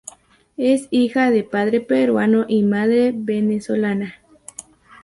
Es hija de padre peruano y madre venezolana.